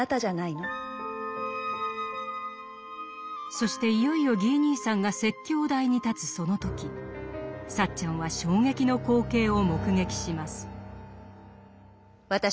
そしていよいよギー兄さんが説教台に立つその時サッチャンは衝撃の光景を目撃します。